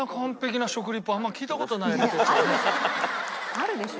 あるでしょ！